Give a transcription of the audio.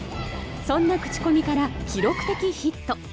そんな口コミから記録的ヒット。